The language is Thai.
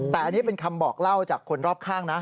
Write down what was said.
แต่อันนี้เป็นคำบอกเล่าจากคนรอบข้างนะ